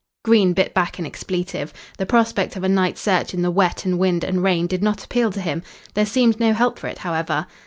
Green bit back an expletive. The prospect of a night's search in the wet and wind and rain did not appeal to him. There seemed no help for it, however.